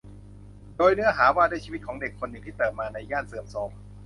โดยเนื้อหาว่าด้วยชีวิตของเด็กคนหนึ่งที่เติบโตมาในย่านเสื่อมโทรม